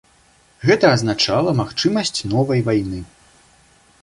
Гэта азначала магчымасць новай вайны.